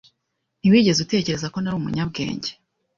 Ntiwigeze utekereza ko nari umunyabwenge! '